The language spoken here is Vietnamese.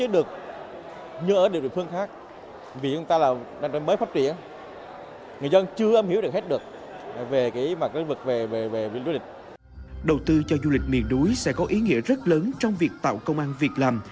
đầu tư cho du lịch miền núi sẽ có ý nghĩa rất lớn trong việc tạo công an việc làm